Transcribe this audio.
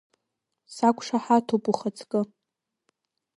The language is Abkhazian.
Сақәшаҳаҭуп, ухаҵкы!